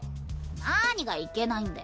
なにがいけないんだよ。